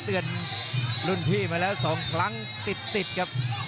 เตือนรุ่นพี่มาแล้วสองครั้งติดครับ